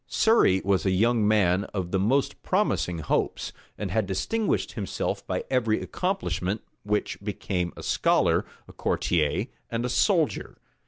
Surrey was a young man of the most promising hopes, and had distinguished himself by every accomplishment which became a scholar, a courtier, and a soldier.